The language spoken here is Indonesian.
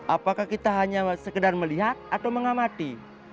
apakah kita hanya sekedar melihat atau mengamati